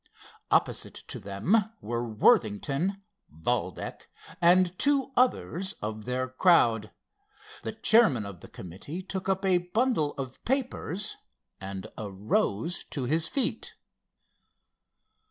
Opposite to them were Worthington, Valdec and two others of their crowd. The chairman of the committee took up a bundle of papers and arose to his feet.